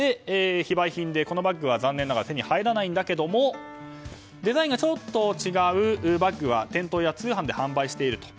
非売品でこのバッグは残念ながら手に入らないんだけどもデザインがちょっと違うバッグは店頭や通販で販売している。